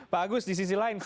pak agus di sisi lain